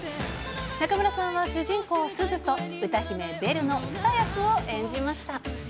中村さんは主人公、鈴と歌姫、ベルの２役を演じました。